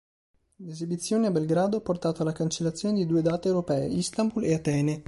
L'esebizione a Belgrado ha portato alla cancellazione di due date europee: Istanbul e Atene.